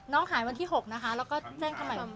น้องขายวันที่๖นะคะแล้วก็แจ้งเข้ามา